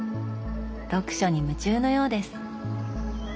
読書に夢中のようです。